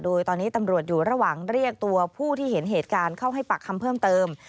โดยตอนนี้ตำรวจอยู่ระหว่างเรียกตัวผู้ที่เห็นเหตุการณ์เข้าให้ปากคำเพิ่มเติม